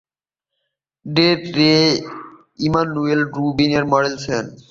Del Rey "Emanuel Rubin" এর model ছিলেন।